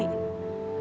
minta kamu berhenti